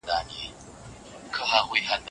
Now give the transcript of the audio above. د پلازمېنې کابل ته لېږدول ولي اړین وو؟